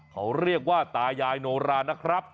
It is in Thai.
เขาเรียกว่าตายายโนรานะครับ